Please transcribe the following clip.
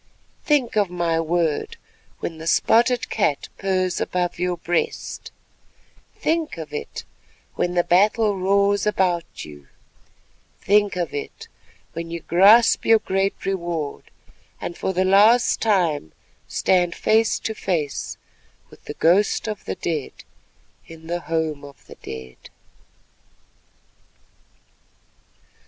Think of my word when the spotted cat purrs above your breast; think of it when the battle roars about you; think of it when you grasp your great reward, and for the last time stand face to face with the ghost of the dead in the Home of the Dead.